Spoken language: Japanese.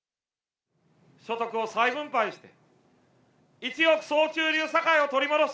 所得を再分配して、一億総中流社会を取り戻す。